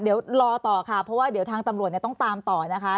เดี๋ยวรอต่อค่ะเพราะว่าเดี๋ยวทางตำรวจต้องตามต่อนะคะ